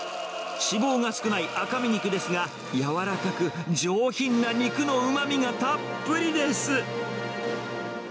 脂肪が少ない赤身肉ですが、柔らかく、上品な肉のうまみがたっぷりです。